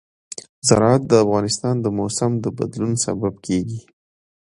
زراعت د افغانستان د موسم د بدلون سبب کېږي.